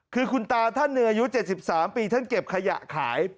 คือคุณตาท่านหนึ่งอายุ๗๓ปีท่านเก็บขยะขาย